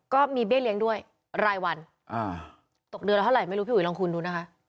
ก็มีเบี้ยเลี้ยงด้วยรายวันตกเดือนละเท่าไหไม่รู้พี่อุ๋ยลองคุณดูนะคะ